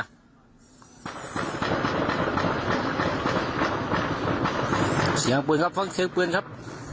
เสียงปืนครับฟังเสียงปืนครับ